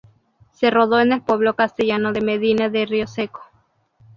Se rodó en el pueblo castellano de Medina de Rioseco.